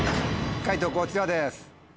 解答こちらです。